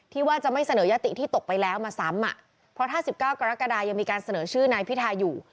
ที่จะไม่เสนอยติที่ตกไปแล้วมาซ้ำอ่ะเพราะถ้า๑๙กรกฎายังมีการเสนอชื่อนายพิทาอยู่